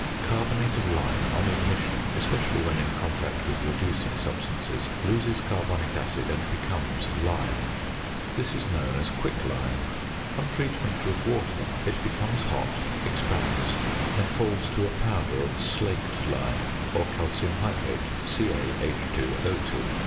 Carbonate of lime on ignition, especially when in contact with reducing substances, loses carbonic acid, and becomes lime. This is known as "quicklime"; on treatment with water it becomes hot, expands, and falls to a powder of "slaked lime" or calcium hydrate (CaH_O_).